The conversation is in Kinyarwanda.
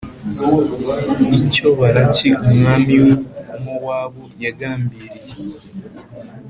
icyo Balaki umwami w i Mowabu yagambiriye